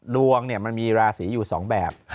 ดวงมีราศรีอยู่๒แบบ